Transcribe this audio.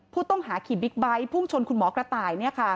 ผู้ต้องหาขี่บิ๊กไบท์พุ่งชนคุณหมอกระต่าย